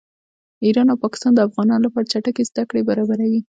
ایران او پاکستان د افغانانو لپاره چټکې زده کړې برابروي